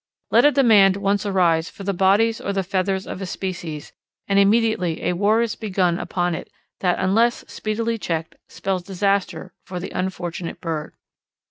Let a demand once arise for the bodies or the feathers of a species, and immediately a war is begun upon it that, unless speedily checked, spells disaster for the unfortunate bird.